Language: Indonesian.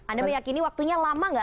anda meyakini waktunya lama gak